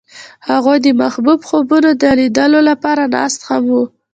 هغوی د محبوب خوبونو د لیدلو لپاره ناست هم وو.